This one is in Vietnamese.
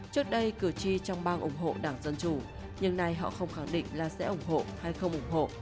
trước đây cử tri trong bang ủng hộ đảng dân chủ nhưng nay họ không khẳng định là sẽ ủng hộ hay không ủng hộ